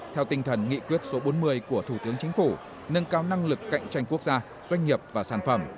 theo tinh thần nghị quyết số bốn mươi của thủ tướng chính phủ nâng cao năng lực cạnh tranh quốc gia doanh nghiệp và sản phẩm